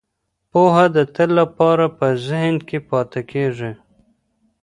پوهه د تل لپاره په ذهن کې پاتې کیږي.